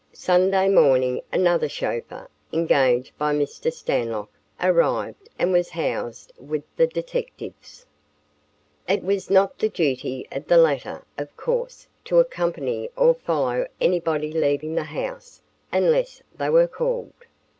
Sunday morning another chauffeur, engaged by Mr. Stanlock, arrived and was housed with the detectives. It was not the duty of the latter, of course, to accompany or follow anybody leaving the house unless they were called.